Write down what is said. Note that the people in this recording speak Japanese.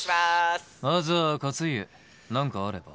まずは勝家何かあれば。